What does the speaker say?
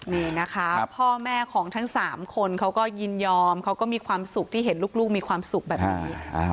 นี่นะคะพ่อแม่ของทั้ง๓คนเขาก็ยินยอมเขาก็มีความสุขที่เห็นลูกมีความสุขแบบนี้